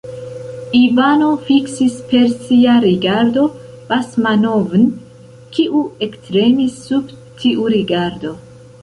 Ivano fiksis per sia rigardo Basmanov'n, kiu ektremis sub tiu rigardo.